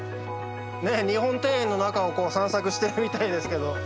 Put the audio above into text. ねえ日本庭園の中をこう散策してるみたいですけど。